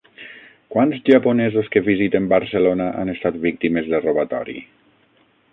Quants japonesos que visiten Barcelona han estat víctimes de robatori?